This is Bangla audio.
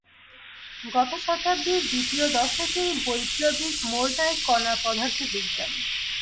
গত শতাব্দীর দ্বিতীয় দশকেই বৈপ্লবিক মোড় নেয় কণা পদার্থবিজ্ঞান।